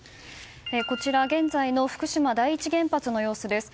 こちら、現在の福島第一原発の様子です。